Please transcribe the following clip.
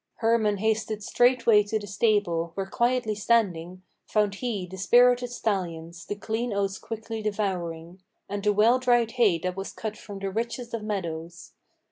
Hermann hasted straightway to the stable, where quietly standing Found he the spirited stallions, the clean oats quickly devouring, And the well dried hay that was cut from the richest of meadows.